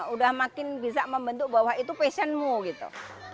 udah makin bisa membentuk bahwa itu passion mu gitu